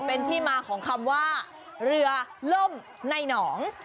เป็นที่มาของคำว่าเรือล่มในหนอง